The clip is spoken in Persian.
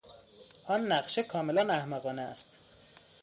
آن نقشه کاملا احمقانه است.